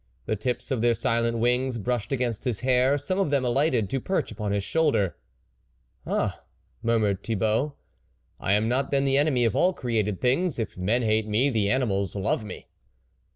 The tips of their silent wings brushed against his hair ; some of them alighted to perch upon his shoulder. " Ah !" murmured Thibault, " I am not then the enemy of all created things ; if men hate me, the animals love me."